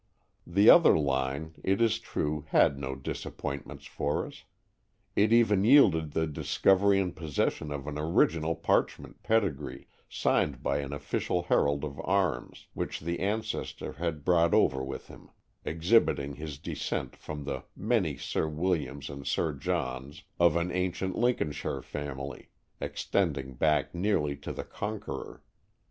The other line, it is true, had no disappointments for us. It even yielded the discovery and possession of an original parchment pedigree, signed by an official herald of arms, which the ancestor had brought over with him, exhibiting his descent from the many Sir Williams and Sir Johns of an ancient Lincolnshire family extending back nearly to the Conqueror.